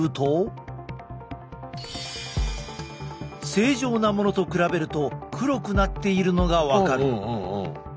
正常なものと比べると黒くなっているのが分かる。